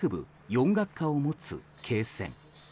４学科を持つ恵泉。